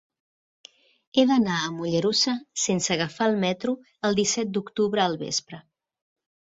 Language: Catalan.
He d'anar a Mollerussa sense agafar el metro el disset d'octubre al vespre.